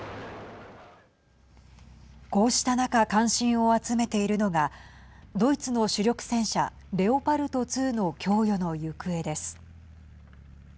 こうした中関心を集めているのがドイツの主力戦車レオパルト２の供与の行方です。